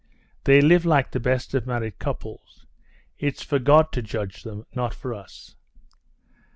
They live like the best of married couples; it's for God to judge them, not for us.